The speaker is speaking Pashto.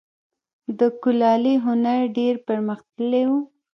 د کلالي هنر ډیر پرمختللی و